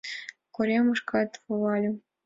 Коремышкет волальым.